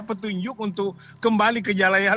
petunjuk untuk kembali ke jalan yang